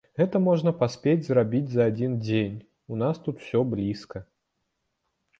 Гэта можна паспець зрабіць за адзін дзень, у нас тут усё блізка.